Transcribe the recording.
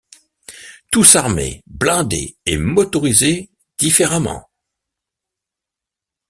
Tous armés, blindés et motorisés différemment.